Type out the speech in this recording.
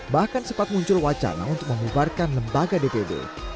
bahkan sempat muncul wacana untuk membubarkan lembaga dpd